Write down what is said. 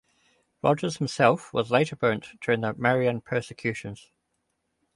Rogers himself was later burnt during the Marian persecutions.